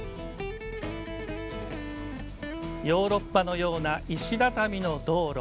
ヨーロッパのような石畳の道路。